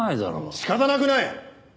仕方なくない！